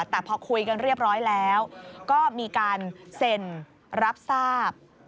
แต่พอคุยกันเรียบร้อยแล้วก็มีการเซ็นรับทราบ